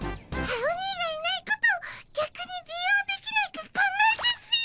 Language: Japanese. アオニイがいないことをぎゃくに利用できないか考えたっピィ！